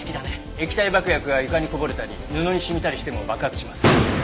液体爆薬が床にこぼれたり布に染みたりしても爆発します。